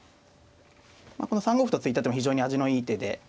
この３五歩と突いた手も非常に味のいい手で。